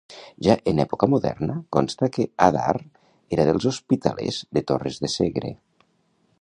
Ja en època moderna consta que Adar era dels hospitalers de Torres de Segre.